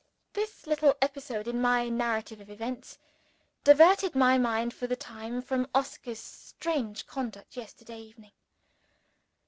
This little episode in my narrative of events diverted my mind for the time from Oscar's strange conduct yesterday evening.